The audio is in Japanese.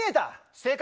正解。